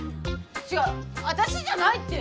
違う私じゃないって！